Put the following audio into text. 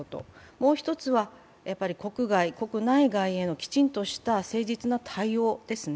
もう一つは国外、国内外へのきちんとした誠実な対応ですね。